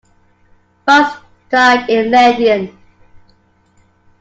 Frans died in Leiden.